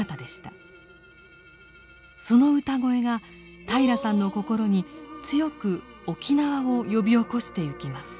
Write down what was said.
その歌声が平良さんの心に強く沖縄を呼び起こしてゆきます。